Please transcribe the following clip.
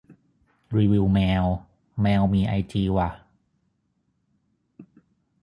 รีวิวแมว แมวมีไอจีว่ะ